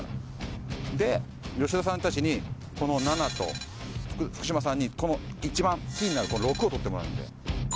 で吉田さんたちにこの７と福島さんに一番キーになるこの６を取ってもらうんで。